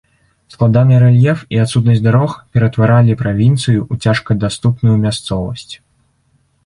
Складаны рэльеф і адсутнасць дарог ператваралі правінцыю ў цяжкадаступную мясцовасць.